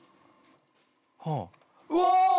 うわ！